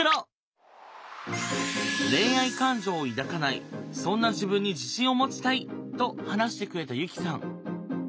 恋愛感情を抱かないそんな自分に自信を持ちたいと話してくれたユキさん。